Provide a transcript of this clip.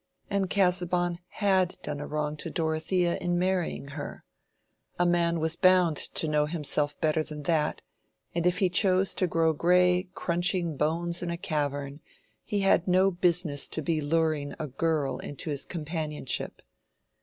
And Casaubon had done a wrong to Dorothea in marrying her. A man was bound to know himself better than that, and if he chose to grow gray crunching bones in a cavern, he had no business to be luring a girl into his companionship.